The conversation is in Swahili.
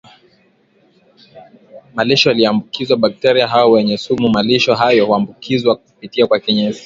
malisho yaliyoambukizwa bakteria hao wenye sumu Malisho hayo huambukizwa kupitia kwa kinyesi